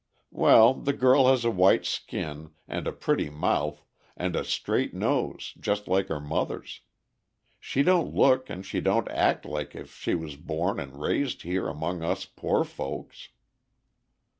Well, the girl has a white skin, and a pretty mouth, and a straight nose just like her mother's. She don't look and she don't act like as if she was born and raised here among us poor folks."